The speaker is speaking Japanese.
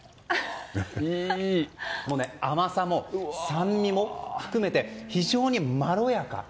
甘さも酸味も含めて非常にまろやか。